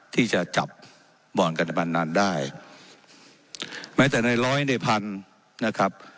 ที่จะจับบ่อนการพนันนั้นได้แม้แต่ในร้อยในพันนะครับ